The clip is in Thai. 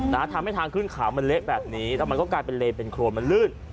ทำให้ทางขึ้นเขามันเละแบบนี้แล้วมันก็กลายเป็นเลนเป็นโครนมันลื่น